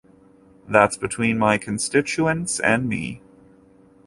That's between my constituents and me.